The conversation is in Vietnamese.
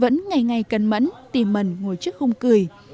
bà giang vẫn ngày ngày cân mẫn tìm mẩn ngồi trước khung cửa